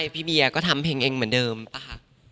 พี่เบียร์ก็ทำเพลงเองเหมือนเดิมป่ะคะ